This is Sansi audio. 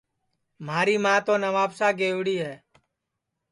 مھاری ماں تو نوابشاہ گئیوڑِ ہے